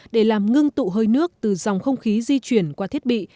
để làm ngưng tụ hơi nước từ dòng không khí di chuyển qua thiết bị